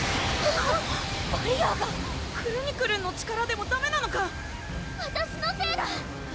バリアーがクルニクルンの力でもダメなのか⁉わたしのせいだ！